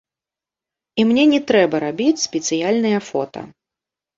І мне не трэба рабіць спецыяльныя фота.